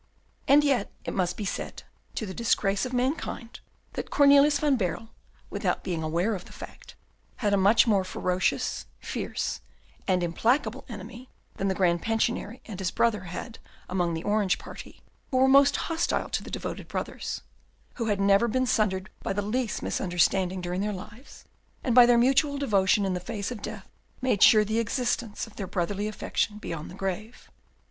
And yet it must be said, to the disgrace of mankind, that Cornelius van Baerle, without being aware of the fact, had a much more ferocious, fierce, and implacable enemy than the Grand Pensionary and his brother had among the Orange party, who were most hostile to the devoted brothers, who had never been sundered by the least misunderstanding during their lives, and by their mutual devotion in the face of death made sure the existence of their brotherly affection beyond the grave.